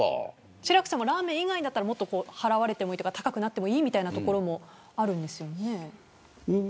志らくさんはラーメン以外だったらもっと払われてもいいとか高くなってもいいというところもあるんですよね。